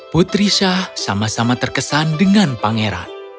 putri syah sama sama terkesan dengan pangeran